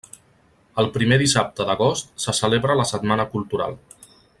El primer dissabte d'agost se celebra la Setmana Cultural.